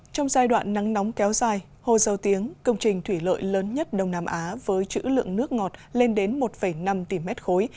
trong giai đoạn nắng nóng kéo dài hồ dầu tiếng công trình thủy lợi lớn nhất đông nam á với chữ lượng nước ngọt lên đến một năm tỷ mét khối